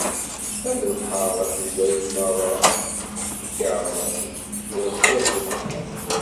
A lebḥer akked wayen merra i k-iɛemren, iẓẓifet!